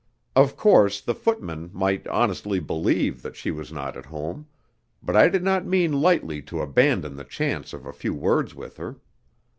Of course the footman might honestly believe that she was not at home; but I did not mean lightly to abandon the chance of a few words with her.